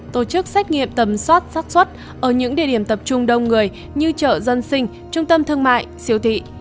tổ chức xét nghiệm tầm soát sát xuất ở những địa điểm tập trung đông người như chợ dân sinh trung tâm thương mại siêu thị